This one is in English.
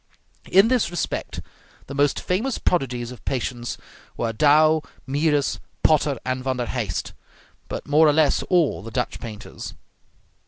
In this respect the most famous prodigies of patience were Dow, Mieris, Potter, and Van der Heist, but more or less all the Dutch painters.